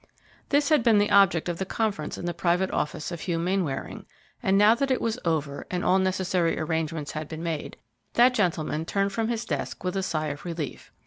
This had been the object of the conference in the private office of Hugh Mainwaring, and now that it was over and all necessary arrangements had been made, that gentleman turned from his desk with a sigh of relief.